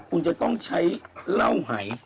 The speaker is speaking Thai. คุณจะต้องใช้เล่าไหย